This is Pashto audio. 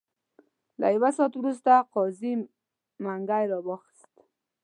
له یو ساعت وروسته قاضي منګی را واخیست.